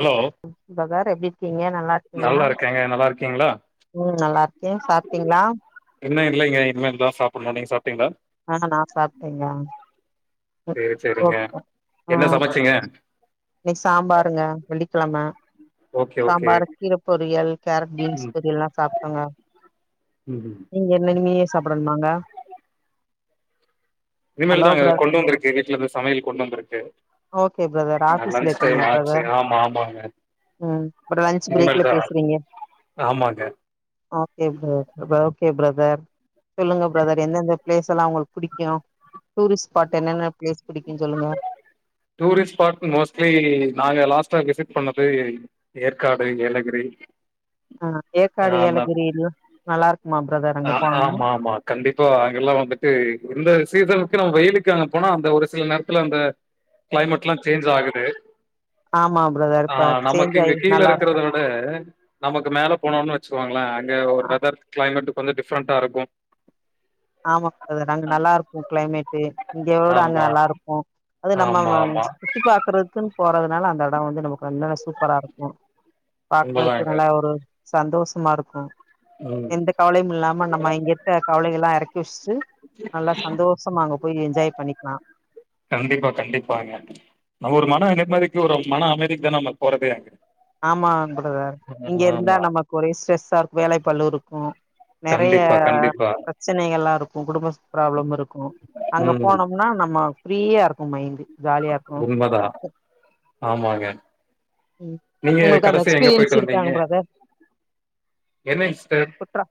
Hello [inaudible] வேற எப்டி இருக்கீங்க நல்லா இருக்கீங்ளா இருக்கேங்க நல்லா இருக்கீங்களா ம் நல்லா இருக்கேன் சாப்ட்டீங்ளா இன்னு இல்லங்க இனிமே சாப்புட்ணு நீங்க சாப்டீங்ளா ஆ நா சாப்டேங்க சேரி சைரிங்க ஆ என்ன சமைச்சிங்க இன்னைக்கு சாம்பாருங்க வெள்ளிக்கெழம ஓகே ஓகே சாம்பார் கீர பொரியல் கேரட் பீன்ஸ் பொரியல்லா சாப்டோங்க ம் ம் நீங்க என்னங்க இனியே சாப்டனுமாங்க இனிமேல் ஹலோ தாங்க பிர கொண்டு வந்திருக்கு வீட்டுல இருந்து சமையல் கொண்டு வந்திருக்கு ஓகே பிரதர் அ ஆபீஸ்ல லஞ்ச் டைம் இருக்கீங்களா ஆச்சு பிரதர் ஆமா ஆமாங்க ம் லன்ச் இனிமேல் பிரேக்ல தா பேசுறீங்க ஆமாங்க ஓகே பிர ஓகே பிரதர் சொல்லுங்க பிரதர் எந்தெந்த பிளேஸ் லாம் உளுக்கு புடிக்கு டூரிஸ்ட் ஸ்பாட் என்னென்ன பிளேஸ் புடிக்கு சொல்லுங்க டூரிஸ்ட் ஸ்பாட் மோஸ்ட்லி நாங்க லாஸ்ட்டா விசிட் பண்ணது ஏற்காடு ஏலகிரி ஆ ஆ ஏற்காடு அந்த ஏலகிரில்லா நல்லா இருக்குமா பிரதர் ஆ அங்க போனோம்னா ஆமா ஆமா கண்டிப்பா அங்கெல்லா வந்துட்டு இந்த சீசனுக்கு நம்ம வெயிலுக்கு அங்க போனா அந்த ஒரு சில நேரத்துல அந்த கிளைமேட்லா சேஞ்ச் ஆகுது ஆமா பிரதர் ஆ இப்ப நமக்கு எக்ஸ்சேஞ்ச் இங்க ஆயி கீழ நல்லா இருக்கு இருக்கறது விட நமக்கு மேல போனோம்னு வெச்சுகோங்களே அங்க ஒரு ஆ வெதர் கிளைமேட் கொஞ்சோ டிஃப்ரெண்டா இருக்கு ஆமா பிரதர் அங்க நல்லா இருக்கு கிளைமேட்டு் இங்கவோட அங்க ஆமா நல்லா இருக்கு அத நம்ம ஆமா ஆமா சுத்தி பாக்கறக்குன்னு போறதுனால அந்த எடோ வந்து நமக்கு நல்லா சூப்பரா இருக்கு பாக்குறக்கு உண்மதாங்க நல்லா ஒரு சந்தோஷமா இருக்கு ம் எந்தக் கவலையும் இல்லாம நம்ம இங்க இருக்க கவலைகள்லா எல்லா எறக்கி வெஷ்ட்டு நல்லா சந்தோஷமா அங்க போய் என்ஜாய் பண்ணிக்கலா கண்டிப்பா கண்டிப்பாங்க நம்ம ஒரு மன நிம்மதிக்கு ஒரு மன அமைதிக்கு தானே நம்ம போறதே அங்க ஆமாங் பிரதர் இங்க இருந்தா ஆமா நமக்கு ஒரே ஸ்ட்ரெஸ்ஸா இருக்கு வேலை பளு இருக்கு நெறைய கண்டிப்பா கண்டிப்பா பிரச்சனைகள்லா இருக்கு குடும்ப ப்ராப்ளம் இருக்கு அங்க ம் போனோம்னா நம்ம ஃப்ரீயா இருக்கு மைண்ட்டு ஜாலியா இருக்கு உண்மதா ஆமாங்க ம் நீங்க உங்களுக்கு அந்த கடைசியா எங்க எக்ஸ்பீரியன்ஸ் போயிட்டு வந்தீங்க இருக்காங் பிரதர் என்ன இஷ்டர் ஒட்றா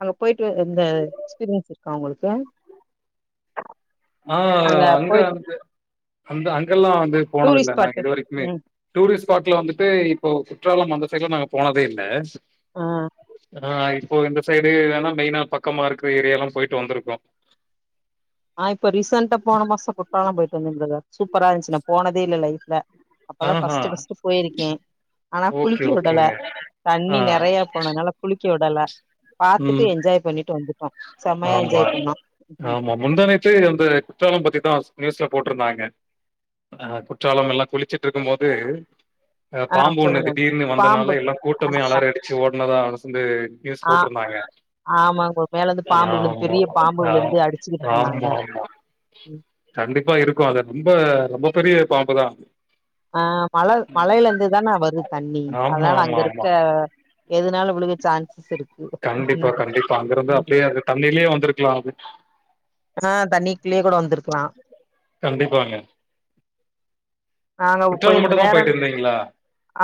அங்க போய்டு இந்த எக்ஸ்பீரியன்ஸ் இருக்கா உங்களுக்கு ஆ அங்க அந்த அந்த அங்கெல்லா வந்து போனதில்ல டூரிஸ்ட் நா ஸ்பாட்டு இதுவரைக்குமே ம் டூரிஸ்ட் ஸ்பாட்ல வந்துட்டு இப்போ குற்றாலம் அந்த சைட்ல நாங்க போனதே இல்ல ஆ ஆ இப்போ இந்த சைடு என்னன்னா மெயினா பக்கம்மா இருக ஏரியலா போயிட்டு வந்திருக்கோ ஆ இப்ப ரீசென்ண்டா போன மாசோ குற்றாலம் போயிட்டு வந்தே பிரதர் சூப்பரா இருந்சி நா போனதே இல்ல லைஃப்ல அப்பதா ஆஹா! ஃபர்ஸ்ட் ஃபர்ஸ்ட் போயிருக்கே ஆனா ஓகே, குளிக்க விடல ஓகேங்க. ஆ. தண்ணி நெறையா போனதுனால குளிக்க விடல பாத்துட்டு ம். என்ஜாய் பண்ணிட்டு வந்துட்டோ செம்மையா என்ஜாய் பண்ணோ சேய் அந்த குற்றாலம் பத்திதா நியூஸ்ல போட்டிருந்தாங்க அ குற்றாலங்கெல்லா குளிச்சிட்டு இருக்கும் போது அ ஆ பாம்பு ஒன்னு சொல்லுங்க டீர்னு பாம்பு வந்தனால எல்லா ஆ கூட்டமே அலாரடிச்சி ஓடுனதா அரசு வந்து நியூஸ் ஆ போட்டிருந்தாங்க ஆமாங்க மேல இருந்து பாம்பு விழுந்து ஆமா பெரிய பாம்பு ஆ விழுந்து அடிச்சுக்கிட்டு இருந்தாங்க ஆமா ஆமா ம். கண்டிப்பா இருக்கு அது ரொம்ப ரொம்ப பெரிய பாம்பு தா அ மலர் மலைல இருந்துதானா வருது தண்ணி ஆமா, அதனால ஆமா, ஆமா. அங்கருக்க எதுனாலு விழுக சான்ஸ்ஸிருக் கண்டிப்பா கண்டிப்பா அங்கிருந்து அப்டே அது தண்ணிலே வந்துருக்கலா அது ஆ தண்ணிக்குள்ளேயே கூடோ வந்துருக்கலா கண்டிப்பாங்க நாங்க குற்றாலம் போயிருந்த மட்டுந்தா வேற போயிட்டு இருந்தீங்களா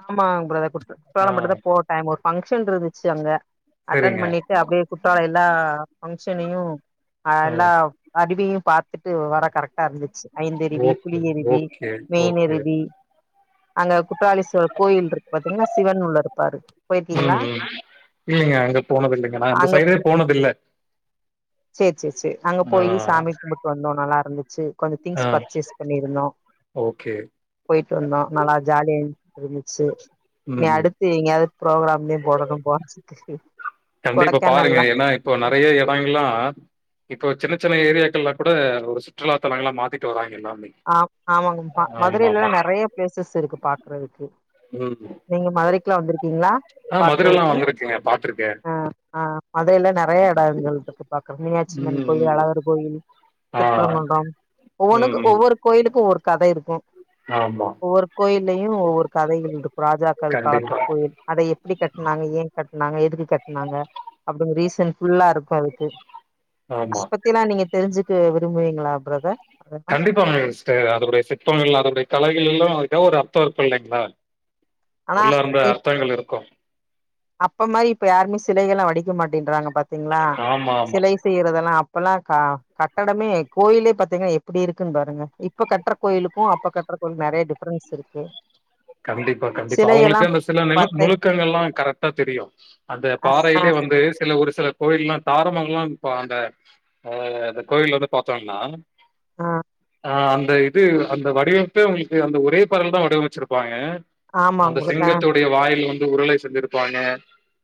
ஆமாங் பிரதர் கு ஆ குற்றாளம்பட்டுதா போ டைம் ஒரு பங்க்ஷன் இருந்துச்சு அங்க அட்டன் சரிங்க பண்ணி அப்டே குற்றால எல்லா பங்க்ஷனையு அ ஆ எல்லா அருவியையு பாத்துட்டு வர கரெக்டா இருந்துச்சு Aintharuvi okay Puliyaruvi okay okay மெயினருவ் அங்க குற்றாளீஸ்வரர் கோயில் இருக்கு பாத்தீங்கன்னா சிவன் உள்ள இருப்பாரு ம் போயிருக்கீங்களா ம் இல்லலைங்க அங்க போனது இல்லைங்க நா அந்த அங்க சைடே போனதில்ல சேரி சேரி சேரி அங்க ஆ போயி சாமி கும்புட்டு வந்தோ நல்லா இருந்துச் சு கொஞ்ச ஆ திங்ஸ் பர்ச்சேஸ் பண்ணியிருந்தோ ஓகே போய்ட்டு வந்தோ நல்லா ஜாலிய இருந்துச்சு ம் இனி ம் அடுத்து எங்கயாது ப்ரோக்ராம்லயு போடணு போறதுக்கு கண்டிப்பா பாருங்க கொடைக்கனல்லா ஏன்னா இப்போ நெறைய எடங்கள்லா இப்போ சின்ன சின்ன ஏரியாக்கள்லா கூட ஒரு சுற்றுலாத்தலங்கள்லா மாத்திட்டு வராங்க எல்லாமே ஆ ஆமாங்க ஆமா மதுரையிலல்லா ஆமா நெறைய பிளேசஸ் இருக்கு பாக்கறதுக்கு ம் நீங்க மதுரைக்குலா வந்திருக்கீங்களா ஆ மதுரல்லா பாக்கறதுக்கு வந்திருக்கேங்க பாத்திருக்கே அ ஆ மதைல நெறைய எடங்கள்ருக்கு மினியாட்சி மணி ம் கோயில் ம் அழகர் கோயில் ஆ திருபரங்குன்றம் ம் ஒவ்வொனுக்கு ம் ஒவ்வொரு கோ கோயிலுக்கு ஒரு கத இருக்கு ஆமா ஒவ்வொரு கோயிலையு ஒவ்வொரு கதைகள் இருக்கும் ராஜாக்கள் காலத்து கண்டிப்பா கோய் அத எப்டி கட்னாங்க ஏ கட்னாங்க எதுக்கு கட்னாங்க அப்டிங்க ரீசன் ஃபுல்லா இருக்கு அதுக்கு ஆமா அத பத்தி எல்லா நீங்க தெரிஞ்சுக்க விரும்புவீங்களா பிரதர் அதெல்லா [unintelligible] அதருடைய சிற்பங்கள் அதருடைய கலைகள் எல்லா அது எதோ ஒரு அர்த்தருக்கு இல்லைங்களா ஆனா உள்ளார்ந்த இப் அர்த்தங்கள் இருக்கு அப்ப மாரி இப்ப யாருமே சிலைகள்லா வடிக்க மாட்டேன்றாங்க பாத்திங்ளா ஆமா, ஆமா. சிலை செய்யறதெல்லா அப்பெல்லா கட்டடமே கோயிலே பாத்தீங்கன்னா எப் இப்டி இருக்குன்னு பாருங்க இப்ப கட்ற கோயிலுக்கு அப்ப கட்ற கோயில் நெறைய டிஃப்ரென்ஸ் இருக்கு கண்டிப்பா கண்டிப்பா சிலைகள்லா அவுங்களுக்கு அந்த சில நிணுக் பாத்தீங் நுணுக்கங்கள்லா கரட்டா தெரியு அந்த ஆ பாறையில வந்து சில ஒரு சில கோயில்லா தாரமங்ளோ இப்ப அந்த அ இந்த கோயில் வந்து பாத்தோனா அ ஆ அந்த இது அந்த வடிவமைப்பே உங்களுக்கு அந்த ஒரே பரல் தா வடிவமைச்சிருப்பாங்க அந்த ஆமாங்க ப்ரதர் ஆ சிங்கத்து வாயில் வந்து உருளை செஞ்சிருப்பாங்க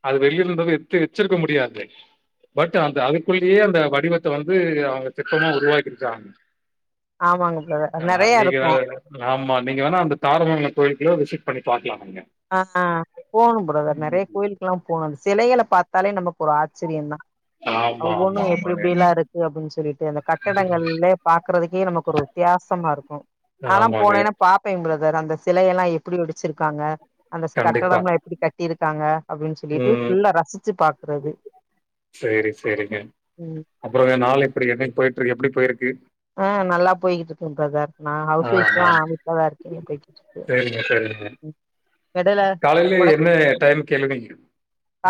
அது வெளிய இருந்த எத்து வச்சிருக்க முடியாது பட் அந்த அதுக்குள்ளேயே அந்த வடிவத்த வந்து அவுங்க திட்டமா உருவாக்கிருக்காங்க ஆமாங்க பிரதர் நெறைய இருக்கு ஆமா நீங்க வேணா அந்த தாரமங்கலோ கோயிலுகுள்ளியோ விசிட் பண்ணி பாக்கலா நீங்க ஆஹ் போணு பிரதர் நெறைய ம். கோயிலுக்லா போணு செலைகள பாத்தாலே நமக்கு ஒரு ஆச்சரியோதா ஆமா, ஒவ்வொன்னு ஆமா, எப்டி ஆமாங்க. எப்டியெல்லா இருக்கு அப்டின்னு சொல்லிட்டு அந்த ம். கட்டடங்கள்லே பாக்குறதுக்கே நமக்கு ஒரு வித்தியாசமா இருக்கு நா எல்லா ஆமாங்க. போனேன்னா பா பே எங்களது அது அந்த சிலைய எல்லா எப்டி வடிச்சிருக்காங்க அந்த கண்டிப்பா. கட்டடம் எல்லா எப்டி கட்டியிருக்காங்க அப்டின்னு சொல்லிட்டு ம். ஃபுல்லா ரசிச்சு பாக்குறது சரி, சரிங்க. ம் அப்புறங்க நாள் எப்டி என்னைக்கு போயிட்டு இருக்கு எப்டி போயிருக்கு ஆ நல்லா போயிகிட்டு இருக்குங்க ப்ரதர் நா ஹவுஸ் ஒய்ஃப் தா ஆஹா. அமைப்பாதா இருக்கே போயிட்டு இருக்கு பேசாதீங்க எடைல ஒடைக்க டைம்க்கு எழுவீங்க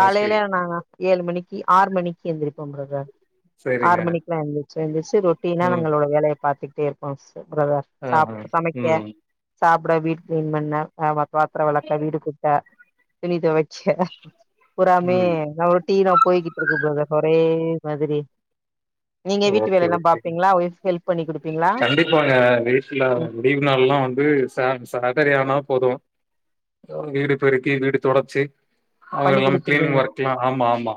மோஸ்ட்லி? நா நா ஏழு மணிக்கு ஆறு மணிக்கு எந்திரிப்போம் ப்ரதர் சரிங்க. ஆறு மணிக்கெல்லா எந்திருச்சு இருந்துச்சு ரொட்டினா ம். எங்களோட வேலையை பாத்துட்டே இருப்போ சிஸ்டர் பிரதர் சாப் ஆஹா. சமைக்க ம். சாப்பிட வீட் கிளீன் பண்ண ஆ வ பாத்திர வெளக்க வீடு கூட்ட துணி துவச்ச பூராமே ம். ரொ ட்டீனா போய்கிட்டு இருக்கு ப்ரதர் ஒரே மாதிரி நீங்க வீட்டு ஓகே, வேலை எல்லா ஓகே. பாப்பீங்களா வொஃப்க்கு ஹெல்ப் பண்ணி குடுப்பீங்களா கண்டிப்பாங்க. வீட்ல ம் லீவ் நாள் எல்லா வந்து ச சடர்டே ஆனா போது அ வீடு பெருக்கி வீடு தொடச்சு அவங்க பண்ணி எல்லா குடுத்துருவீங்க கிளீனிங் ஒர்க எல்லா ஆமா ஆமா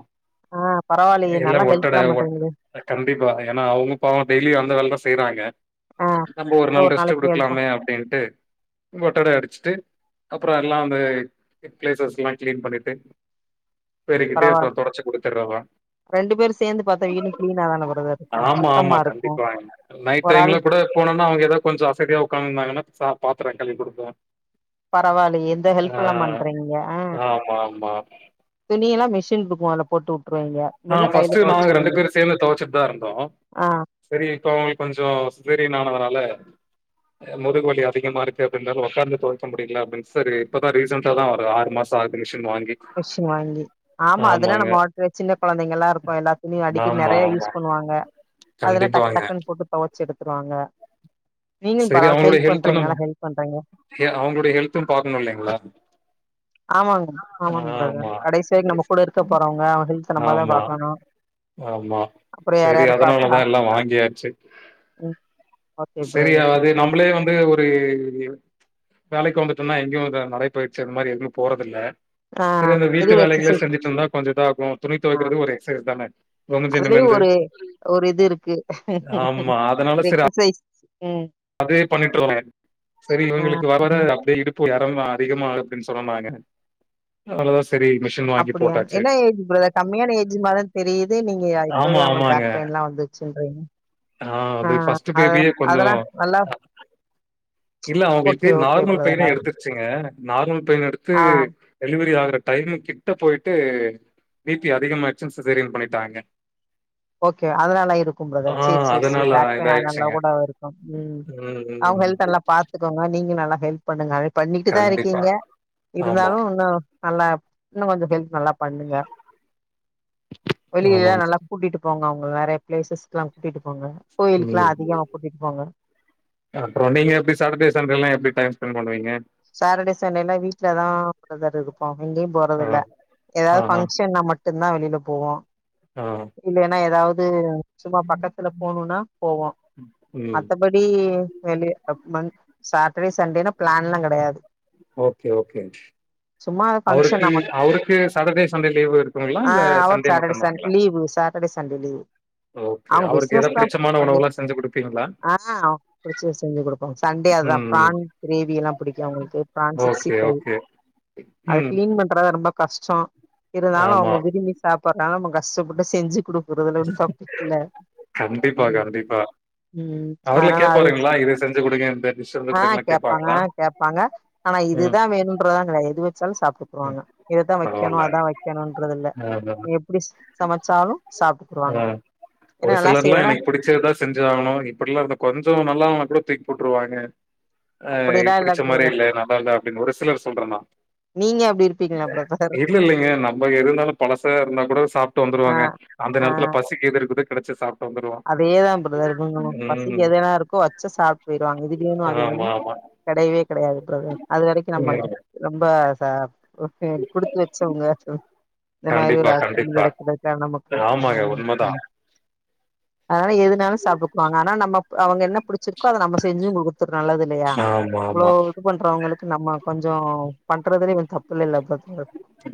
ஆ பரவாயில்லயே எல்லா நல்லா ஒட்டட ஹெல்ப்லா ஒ பண்றீங்களே கண்டிப்பா ஏன்னா அவங்க பாவோ டெய்லியு அந்த வேலைதா செய்றாங்க ஆ நம்ம ஒரு நீங்க நாள் ரெஸ்ட் நாளைக்கு ஹெல்ப் பண் குடுக்கலாமே அப்டின்ட்டு ஒட்டடை அடிச்சுட்டு அப்புறோ எல்லா வந்து பிளேசஸ் எல்லா கிளீன் பண்ணிட்டு பெருக்கிட்டு அப்றோ பரவால்ல தொடச்சி குடுத்துறதா ரெண்டு பேரு சேந்து பாத்த வீடு கிளீனா தான ப்ரதர் இருக்கு ஆமா சுத்தமா இருக்கு ஒரு ஆள் போனோன்ணு அவங்க ஏதோ கொஞ்சோ அசதியா உக்காந்திருந்தாங்கன்னா பாத்ரோ கழுவி குடுப்போ பரவாயில்லயே இந்த ஹெல்ப்லா பண்றீங்க ஆ ஆமா ஆமா துணிய எல்லா மிஷின்ன மொதல போட்டு வுட்டுருவீங்க ஆ இல்ல பர்ஸ்ட் கையில நாங்க ரெண்டு தொவச்சிருவீங்க பேரு சேந்து தொவச்சிட்டுதா இருந்தோ ஆ சரி இப்ப கொஞ்சோ சிஸேரியன் ஆனதுனால முதுகு வலி அதிகமாருக்கு அப்டின்னால உக்காந்து தொவைக்க முடியல அப்டின்னு செரி இப்பதா ரீசன்ண்டா தா ஒரு ஆறு மாச வாசிங்மிஷின் வாங்கி மிஷின் வாங்கி ஆமா அதுன ஆமாங்க நம்மவாட்டு சின்ன கொழந்தைங்க எல்லா இருக்கு எல்லா துணி அடிக்கடி ஆமா நெறைய ஆமா யூஸ் பண்ணுவாங்க அதெல்லா டக்கு கண்டிப்பாங்க டக்குன்னு போட்டு தொவைச்சு எடுத்துடுவாங்க சரி அவங்களுடைய ஹெல்த்து நம்ம நல்லா ஹெல்ப் பண்றீங்க ஹெ அவங்களுடைய ஹெல்த்து பாக்கணு இல்லீங்களா ஆமாங்க ஆமாங்க பிரதர் ஆமா கடைசி வரைக்கு நம்ம கூட இருக்க போறவங்க அவங்க ஹெல்த்த நம்மதா ஆமா பாக்கணு ஆமா அப்புறோ யார் செரி யாரு பாப்பா அதனாலதா எல்லா வாங்கியாச்சு ம் ஓகே செரி பிரதர் அது ஓகே நம்மளே வந்து ஒ ரு வேலைக்கு வந்துட்டுன்னா எங்கேயு நடை பயிற்ச்சி அந்த மாரி எது போறதில்ல ஆ சரி அந்த இது வீட்டு ஒரு வேலைகளை எக்சசைஸ் செஞ்சிட்டு இருந்தா கொஞ்ச இதாகும் துணி ஆ துவைக்கறது ஒரு எக்சசைஸ் தானே அதுலயு ஒன்னு [unintelligible] ஒரு ஒரு இது இருக்கு அதனால ஒரு சரி எக்சைஸ் ம் அதே பண்ணிட்ருந்தே செரி ஆ இவங்களுக்கு வர அப்டியே இடுப் பு [unintelligible] அதிகமாகுதுன்னு சொன்னாங்க அவ்ளோதா சரி மெஷின் அப்டியா என்ன ஏஜ் பிரதர் கம்மியான ஏஜ் மாரிதா தெரியுது நீங்க இப்பவே ஆமா அவுங்களுக்கு ஆமாங்க பேக் பெயின் எல்லா வந்துச்சுன்றீங்க ஆ அது ஃபர்ஸ்ட் அதெ பேபியே கொஞ்சோ அதுலா நல்லா இல்ல அவங்களுக்கு ஓகே ஓகே நார்மல் பிரதர் பெயினே அ எடுத்துருச்சுங்க நார்மல் பெயினெடுத்து ஆ டெலிவரி ஆகுற டைம் கிட்ட போய்ட்டு பி பி அதிகமாயிச்சுனு சிசேரியன் பண்ணிட்டாங்க ஓகே அதனால இருக்கு ப்ரதர் ஆ சேர் சேர் சேர் அதனால பேக் பெயினா அதனால இதாயிடுச்சுங்க கூட இருக்கு ம் அவங்க ம் ஹெல்த் நல்லா ம் பாத்துக்கோங்க நீங்க நல்லா ஹெல்ப் பண்ணுங்க அத பண்ணிட்டு தா கண்டிப்பா இருக்கீங்க ஆமா இருந்தாலு இன்னொ நல்லா இன்னு கொஞ்ச ஹெல்ப் நல்லா பண்ணுங்க வெளில நல்லா ஆமாங்க கூட்டிட்டு போங்க அவங்க நெறய பிளேசஸ்க்லா கூட்டிட்டு போங்க கோயிலுக்குலா அதிகமா கூட்டிட்டு போங்க அப்புற நீங்க எப்டி சாட்டர்டே சண்டேல்லா எப்டி டைம் ஸ்பெண்ட் பண்ணுவீங்க சாட்டர்டே சண்டேன்னா வீட்ல தா ப்ரதர் இருப்போ எங்கயு ஆ போறதில்ல ஆ எதாவது ஆ பங்க்ஷன்னா மட்டுமந்தா வெளியில போவோ ஆ இல்லேன்னா ஏதாவது சும்மா பக்கத்துல போணும்னா போவோ ம் மத்த படி வெளிய சாட்டர்டே சண்டேனா பிளான்லா கெடையாது ஓகே ஓகே சும்மா அவருக்கு பங்க்ஷன்னா மட் அவருக்கு சாட்டர்டே சண்டே லீவு இருக்குங்களா ஆ இல்ல அவர் சண்டே சாட்டர்டே சன் மட்டுந்தாங்களா leave sir Saturday Sunday leave okay அவங்க அவருக்கு பிசினஸ் ஏதாவது தா பிடிச்சமான பண்ணி உணவுல்லா செஞ்சு குடுப்பீங்களா? ஆ புடிச்ச செஞ்சுகுடுப் சண்டே அதா ம். ப்ரான் கிரேவில்லா பிடிக்கு அவங்களுக்கு ப்ரான் சிக்ஸ்டி ஓகே, ஃபவ் ஓகே. அத ம். கிளீன் பண் ற ரொம்ப கஷ்டொ இருந்தாலு ஆமா. அவங்க விரும்பி சாப்பிடறதால நம்ம கஷ்டப்பட்டு செஞ்சு குடு கறதல ஒன்னு தப்பில்ல கண்டிப்பா கண்டிப்பா அவர்களே அதனால அது கேப்பார்களா இத செஞ்சு குடுங்க இந்த டிஷ் செஞ்சு குடுங்கனு கேப்பாங்களா பாங்க ஆனா ம், இதுதா வேணுன்றதுலா கெடயாது எது வச்சாலு சாப்பிடு ம். வாங்க இததா வைக்கணு பரவால்ல. அதா வைக்கணுன்றது இல்ல அதான். எப்டி சமச்சாலும் சாப்ட்ருவாங்க ஒரு சிலர்லா எனக்கு புடிச்சதா செஞ்சு ஆகணு இப்டில்லா இருந்த கொஞ்ச நல்லா இல்லனா கூட தூக்கி போட்ருவாங்க ஆ அப்டிலா இல்ல பிடிச்ச மாரி பிரதர் இல்ல நல்லா இல்ல அப்டின்னு ஒரு சிலர் சொல்றதுதா நீங்க அப்டி இரு இல்ல இல்லைங்க நம்ம இருந்தாலு பழசா இருந்தா கூட சாப்ட்டு ஆ வந்துருவோங்க அந்த ஆ காலத்துல பசிக்குது இருக்குது கெடச்ச சாப் அதேதா பிரதர் இவுங்களு ம். பசிக்கு எதெனா இருக்கோ வச்சு சாப்ட்டு போய்டுவாங்க இது வேணு அது ஆமா, வேணு ஆமா. கெடையவே கெடையாது பிரதர் அது வரைக்கு நம்ம ம். ரொம்ப ச ஓகே குடுத்து வச்சவங்க இந்த மாரி கண்டிப்பா, ஒரு ஹஸ்பண்ட் கண்டிப்பா. கிடைச்ருக்காரு நமக்கு ஆமாங்க உண்மதான். அதனால எதுனாலு சாப்டுக்வாங்க ஆனா நம்ம அவங்க என்ன புடிச்சிருக்கோ அத நம்ம செஞ்சும் குடுத்துக்கோ நல்லது இல்லயா ஆமா ஆமா பண்றவங்களுக்கு நம்ம கொஞ்ச பண்றதுலே தப்பு இல்லேல ப்ரதர்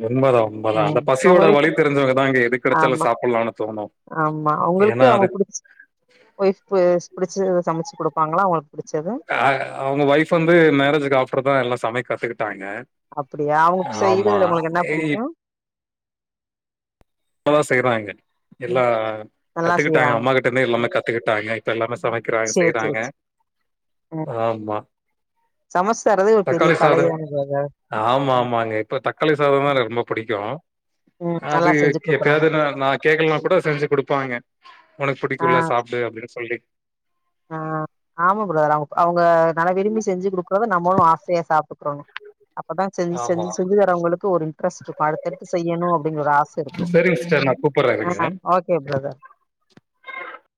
உண்மதா உண்மதா அந்த பசியோட வழி தெரிஞ்சவங்கதா இங்க எது கெடச்சாலு ஆமா சாப்பிடலாம்னு தோணு ஆமா உங்களுக்கு அவங்க குடு ஒய்ஃப் புடிச்சத சமச்சு குடுப்பாங்களா உங்களுக்கு புடிச்சத அ அவங்க ஒஃய்ப் வந்து மேரேஜ்கு ஆஃப்டர்தா எல்லா சமைக்க கத்துக்கிட்டாங்க அப்டியா அவங்க ஆமா. செய்றதுல உங்களுக்கு என்ன இப்பதான் புடிக்கும் [unintelligible] செய்யறாங்க எல்லா நல்லா கத்துக்கிட்டாங்க செய்றாங்க அம்மா கிட்ட இருந்தே எல்லாமே ம் கத்துக்கிட்டாங்க இப்ப எல்லாமே சம க்கிற சேரி செய்யறாங்க சேரி சேரி ஆமா சமஸ்தரதே ஒரு பெரிய தக்காளி சாதம் கலை தாங்க [unintelligible] ஆமா ஆமாங்க இப்ப தக்காளி சாதம் தான் எனக்கு ரொம்ப புடிக்கும் ம் நல்லா செஞ்சு எப்பயாது குடுக்குறாங்க ந நான் கேக்கலன்னா கூட செஞ்சு கொடுப்பாங்க உனக்கு ஆ புடிக்கும்ல சாப்டு அப்டின்னு சொல்லி ஆ ஆமா ப்ரோ அவ அவங்க நல்ல விரும்பி செஞ்சு கொடுக்கும்போது நம்மளும் ஆசையா சாப்பிட்டுக்கறணும் அப்பதான் செஞ்சு ஆமா. செஞ்சு செஞ்சு வரவங்களுக்கு ஒரு இன்ட்ரெஸ்ட்டு இருக்கும் அடுத்தடுத்து செய்யணும் அப்டிங்கிற ஒரு ஆசை இருக்கும் செரிங்க சிஸ்டர் நான் கூப்பற்றேன் [unintelligible] ஓ பிரதர்